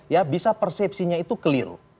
ya bisa persepsinya itu keliru